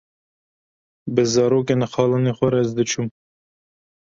bi zarokên xalanê xwe re ez diçûm